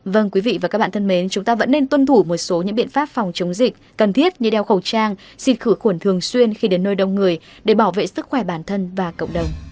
vâng quý vị và các bạn thân mến chúng ta vẫn nên tuân thủ một số những biện pháp phòng chống dịch cần thiết như đeo khẩu trang xin khử khuẩn thường xuyên khi đến nơi đông người để bảo vệ sức khỏe bản thân và cộng đồng